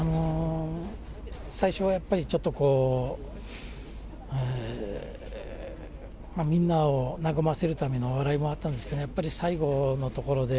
最初はやっぱりちょっと、みんなを和ませるための笑いもあったんですけど、やっぱり最後のところで、